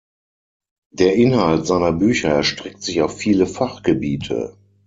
Der Inhalt seiner Bücher erstreckt sich auf viele Fachgebiete.